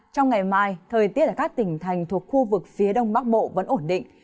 trong ngày mai thời tiết ở các tỉnh thành thuộc khu vực phía đông bắc bộ vẫn ổn định